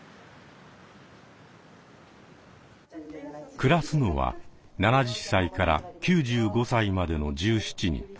暮らすのは７０歳から９５歳までの１７人。